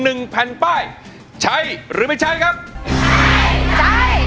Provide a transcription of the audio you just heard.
คุณยายแดงคะทำไมต้องซื้อลำโพงและเครื่องเสียง